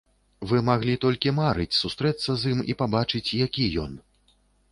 Вы маглі толькі марыць сустрэцца з ім і пабачыць, які ён.